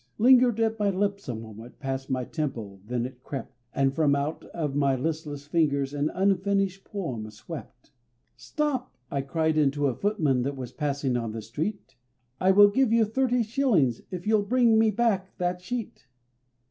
Lingered at my lips a moment, past my temple then it crept, And from out of my listless fingers an unfinished poem swept: "Stop!" I cried unto a footman that was passing on the street, "I will give you thirty shillings if you'll bring me back that sheet."